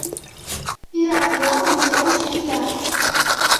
Пират-влакын элышт кия.